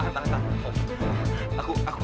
tahan tahan tahan